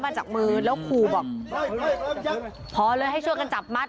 จากมือแล้วขู่บอกพอเลยให้ช่วยกันจับมัด